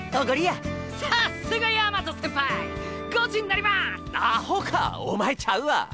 アホかお前ちゃうわ！